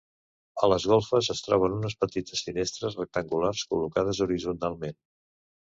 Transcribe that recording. A les golfes es troben unes petites finestres rectangulars col·locades horitzontalment.